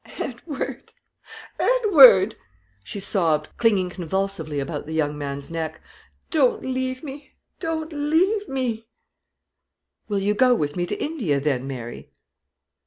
"Edward, Edward," she sobbed, clinging convulsively about the young man's neck, "don't leave me don't leave me!" "Will you go with me to India, then, Mary?"